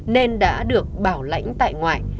nên đã được bảo lãnh tại ngoại